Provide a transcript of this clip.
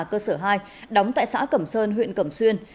cơ sở hai đóng tại xã cẩm sơn huyện cẩm xuyên